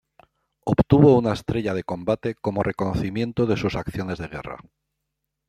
Obtuvo una estrella de combate como reconocimiento de sus acciones en la guerra.